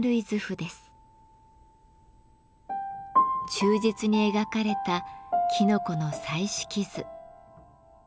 忠実に描かれたきのこの彩色図。